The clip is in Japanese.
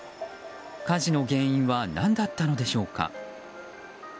火事の原因は何だったのでしょうか。